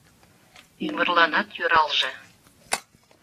Ӱмырланат йӧралже.